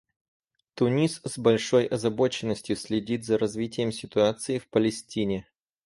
Тунис с большой озабоченностью следит за развитием ситуации в Палестине.